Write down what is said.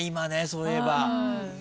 そういえば。